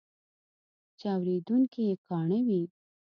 چې اورېدونکي یې کاڼه وي.